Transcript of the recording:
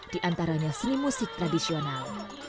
diantaranya seni musik tradisional